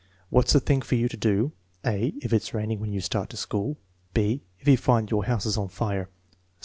"What's the thing for you to do": (a) "If it is raining when you start to school?" (6) "If you find that your house is on fire?"